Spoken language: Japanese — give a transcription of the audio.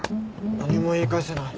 何も言い返せない。